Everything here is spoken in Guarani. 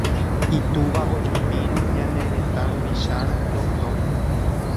Itúva ojupírõ ñane retã ruvichárõ Dr.